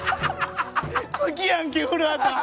好きやんけ『古畑』。